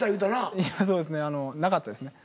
いやそうですねなかったですね。